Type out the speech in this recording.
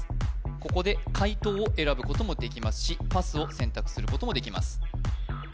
ここで解答を選ぶこともできますしパスを選択することもできます